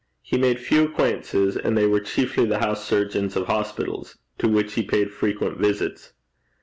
He made few acquaintances, and they were chiefly the house surgeons of hospitals to which he paid frequent visits.